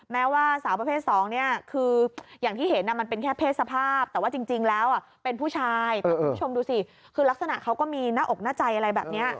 แม้ว่าสาวประเภทสองเนี่ยคืออย่างที่เห็นมันเป็นแค่เพศสภาพแต่ว่าจริงแล้วเป็นผู้ชายแต่คุณผู้ชมดูสิคือลักษณะเขาก็มีหน้าอกหน้าใจอะไรแบบนี้